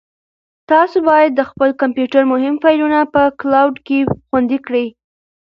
تاسو باید د خپل کمپیوټر مهم فایلونه په کلاوډ کې خوندي کړئ.